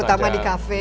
terutama di cafe